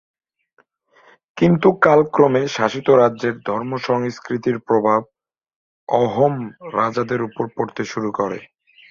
কিন্তু কালক্রমে শাসিত রাজ্যের ধর্ম-সংস্কৃতির প্রভাব অহোম রাজাদের ওপর পড়তে শুরু করে।